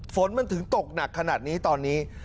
ฝนมันถึงตกหนักขนาดนี้ตอนนี้